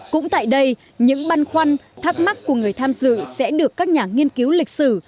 cũng tại đây những băn khoăn thắc mắc của người tham dự sẽ được các nhà nghiên cứu lịch sử